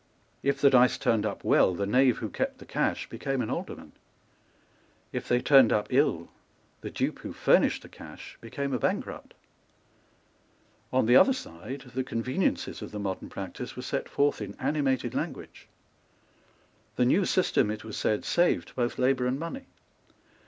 If the dice turned up well, the knave who kept the cash became an alderman; if they turned up ill, the dupe who furnished the cash became a bankrupt. On the other side the conveniences of the modern practice were set forth in animated language. The new system, it was said, saved both labour and money.